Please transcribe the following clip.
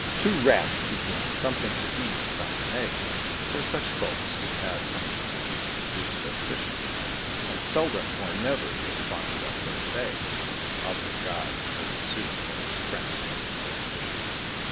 Two Rats, seeking something to eat, found an Egg: For such folks, to have something to eat is sufficient; And seldom or never you'll find that they beg Of the gods turtle soup, or a French cook proficient.